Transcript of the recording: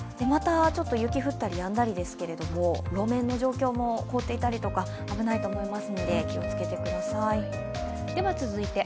また、ちょっと雪が降ったりやんだりですけど、路面の状況も凍っていたりとか危ないと思いますので気をつけてください。